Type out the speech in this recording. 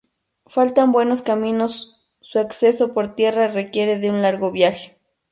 Faltan buenos caminos, su acceso por tierra requiere de un largo viaje.